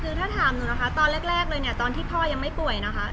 คือถ้าถามหนูนะคะตอนแรกเลยเนี่ยตอนที่พ่อยังไม่ป่วยนะคะ